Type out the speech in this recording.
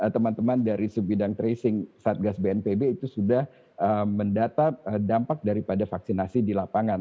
teman teman dari subidang tracing satgas bnpb itu sudah mendata dampak daripada vaksinasi di lapangan